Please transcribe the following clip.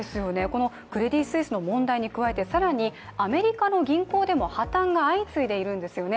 クレディ・スイスの問題に加えて、アメリカの銀行でも破綻が相次いでいるんですよね。